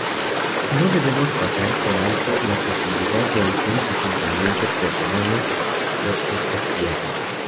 No debemos pasar por alto la posibilidad de algún asentamiento prerromano por estas tierras.